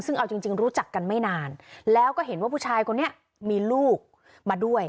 ซึ่งเอาจริงรู้จักกันไม่นานแล้วก็เห็นว่าผู้ชายคนนี้มีลูกมาด้วย